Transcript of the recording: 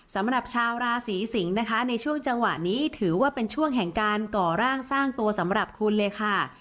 สำหรับชาวราศีสิงศ์นะคะในช่วงจังหวะนี้ถือว่าเป็นช่วงแห่งการก่อร่างสร้างตัวสำหรับคุณเลยค่ะ